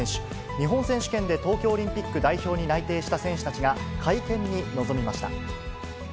日本選手権で東京オリンピック代表に内定した選手たちが、会見に臨みました。